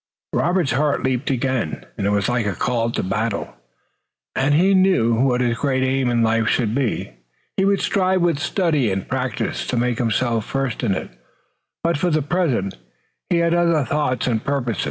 Robert's heart leaped again. It was like a call to battle, and now he knew what his great aim in life should be. He would strive with study and practice to make himself first in it, but, for the present, he had other thoughts and purpose.